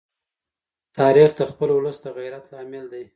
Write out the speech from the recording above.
تاریخ د خپل ولس د غیرت لامل دی.